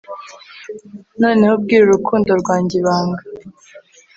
noneho bwira urukundo rwanjye ibanga